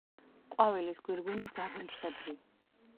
ყვავილის გვირგვინი ძაბრისებრი.